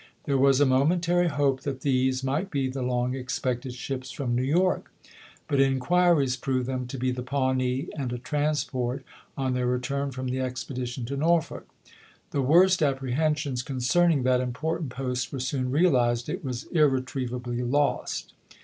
There was a momentary hope that these might be the long expected ships from New York ; but inquiries proved them to be the Pawnee and a transport on their return from the expedition to Norfolk. The worst apprehensions concerning that important post were soon realized — it was irre trievably lost.